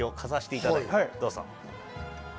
どうぞ。